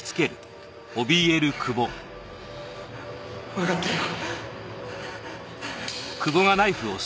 わかったよ。